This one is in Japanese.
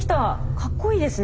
かっこいいですね。